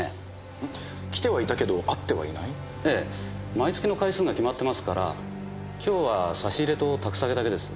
毎月の回数が決まってますから今日は差し入れと宅下げだけです。